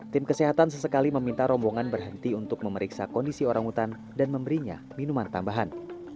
tim kesehatan sesekali meminta rombongan berhenti untuk memeriksa kondisi orangutan dan memberinya minuman tambahan